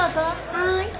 はい。